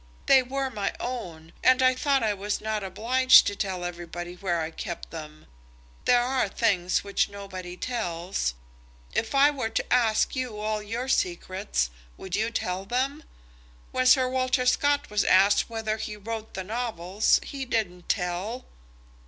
They were my own, and I thought I was not obliged to tell everybody where I kept them. There are things which nobody tells. If I were to ask you all your secrets, would you tell them? When Sir Walter Scott was asked whether he wrote the novels, he didn't tell."